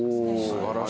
素晴らしい。